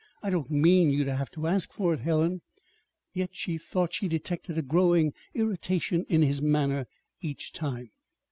I don't mean you to have to ask for it, Helen"; yet she thought she detected a growing irritation in his manner each time.